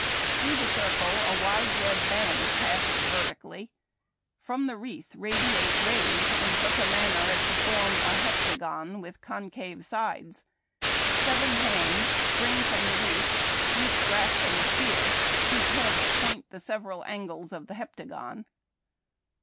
Through the circle a wide red band passes vertically. From the wreath radiate rays in such a manner as to form a heptagon with concave sides. Seven hands spring from the wreath, eacli grasping a spear, whose heads point the several angles of the heptagon.